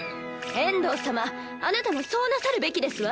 エンドー様あなたもそうなさるべきですわ。